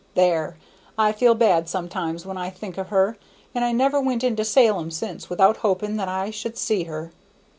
There! I feel bad sometimes when I think of her, and I never went into Salem since without hoping that I should see her.